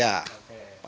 cantik gitu ya